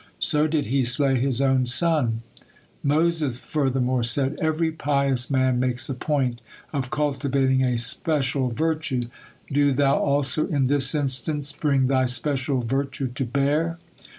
So did He slay His own son." Moses furthermore said: "Every pious man makes a point of cultivating a special virtue. Do Thou also in this instance bring Thy special virtue to bear."